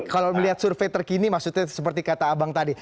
kalau melihat survei terkini maksudnya seperti kata abang tadi